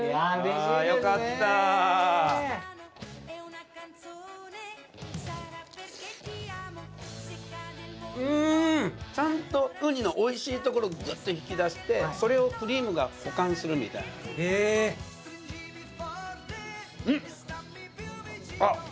あよかったうーんちゃんとウニのおいしいところグッと引き出してそれをクリームが補完するみたいなうんあっ